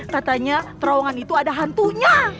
katanya terowongan itu ada hantunya